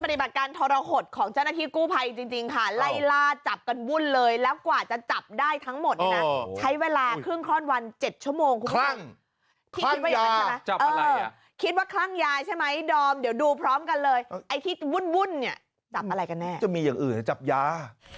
การทรหดของเจ้าหน้าที่กู้ภัยจริงค่ะไล่ล่าจับกันวุ่นเลยแล้วกว่าจะจับได้ทั้งหมดเนี่ยนะใช้เวลาครึ่งคล่อนวัน๗ชั่วโมงคุณผู้ชมที่คิดว่าอย่างนั้นใช่ไหมคิดว่าคลั่งยาใช่ไหมดอมเดี๋ยวดูพร้อมกันเลยไอ้ที่วุ่นเนี่ยจับอะไรกันแน่จะมีอย่างอื่นจับยา